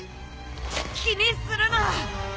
気にするな。